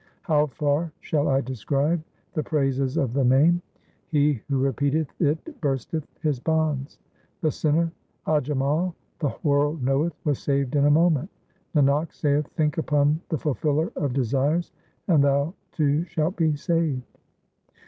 How far shall I describe the praises of the Name ? He who repeateth it bursteth his bonds. The sinner Ajamal, the world knoweth, was saved in a moment. Nanak saith, think upon the Fulfiller of desires, and thou too shalt be saved.